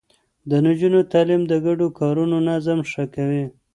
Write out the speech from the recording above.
د نجونو تعليم د ګډو کارونو نظم ښه کوي.